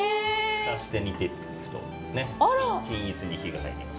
ふたして煮ていくとね均一に火が入りますね。